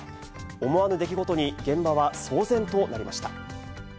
思わぬ出来事に、現場は騒然となりました。